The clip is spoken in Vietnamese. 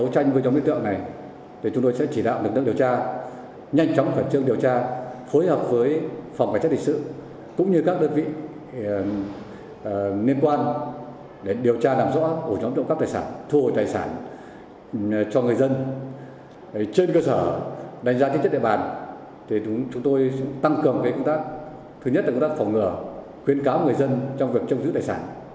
tăng cường các công tác thứ nhất là công tác phỏng ngừa khuyên cáo người dân trong việc trông giữ đại sản